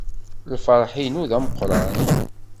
Lferḥ-inu d ameqqran.